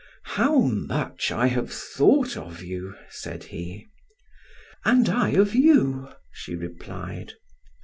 "How much I have thought of you," said he. "And I of you," she replied.